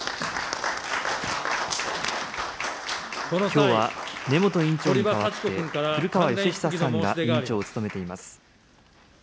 きょうは根本委員長に代わって古川禎久さんが委員長を務めています。